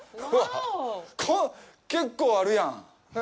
結構あるやん。